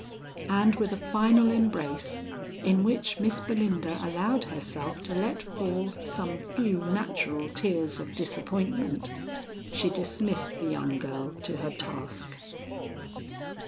And with a final embrace, in which Miss Belinda allowed herself to let fall some few natural tears of disappointment, she dismissed the young girl to her task.